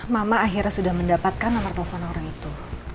mama akhirnya sudah mendapatkan nomor telepon orang itu